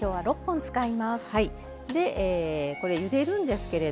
はい。